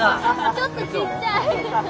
ちょっとちっちゃい！